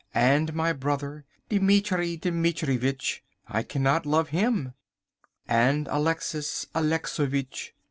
And my brother, Dimitri Dimitrivitch, I cannot love him. And Alexis Alexovitch!